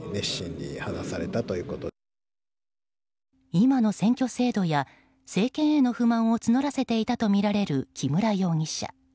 今の選挙制度や政権への不満を募らせていたとみられる木村容疑者。